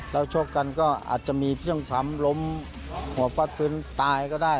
แล้วชกกันก็อาจจะมีเครื่องช้ำล้มหัวฟัดพื้นตายก็ได้